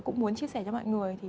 cũng muốn chia sẻ cho mọi người